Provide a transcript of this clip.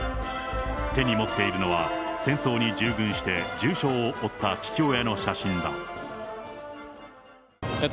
手に持っているのは、戦争に従軍して重傷を負った父親の写真が。